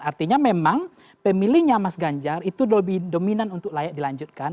artinya memang pemilihnya mas ganjar itu lebih dominan untuk layak dilanjutkan